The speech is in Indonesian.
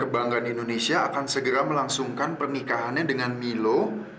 kebanggaan indonesia akan segera melangsungkan pernikahannya dengan milo